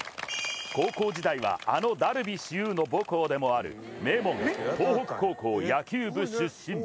高校時代はあのダルビッシュ有の母校でもある名門、東北高校野球部出身。